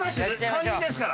肝心ですから。